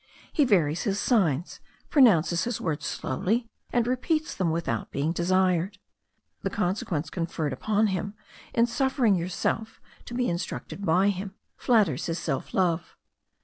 He varies his signs, pronounces his words slowly, and repeats them without being desired. The consequence conferred upon him, in suffering yourself to be instructed by him, flatters his self love.